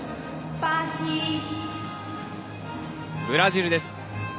ブラジルです。